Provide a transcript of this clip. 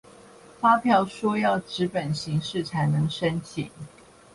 發票說要紙本形式才能申請